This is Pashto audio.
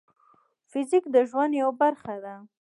فزیک د ژوند یوه برخه ده.